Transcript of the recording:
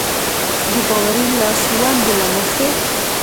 د باوري لاسوندو له مخې.